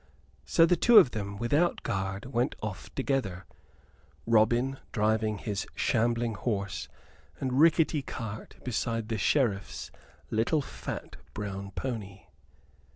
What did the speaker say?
So the two of them, without guard, went off together, Robin driving his shambling horse and rickety cart beside the Sheriff's little fat brown pony.